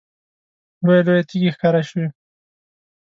لویې لویې تیږې ښکاره شوې.